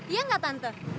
iya nggak tante